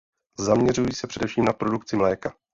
Zaměřují se především na produkci mléka.